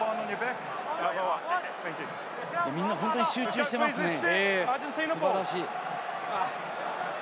みんな本当に集中していますね、素晴らしい。